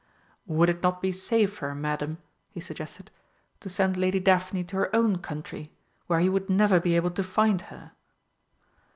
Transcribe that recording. "Would it not be safer, Madam," he suggested, "to send Lady Daphne to her own country, where he would never be able to find her?"